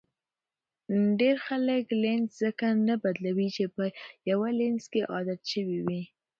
ډېری خلک لینز ځکه نه بدلوي چې په یو لینز کې عادت شوي وي.